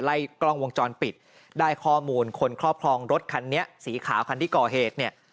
กล้องวงจรปิดได้ข้อมูลคนครอบครองรถคันนี้สีขาวคันที่ก่อเหตุเนี่ย